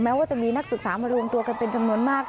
ว่าจะมีนักศึกษามารวมตัวกันเป็นจำนวนมาก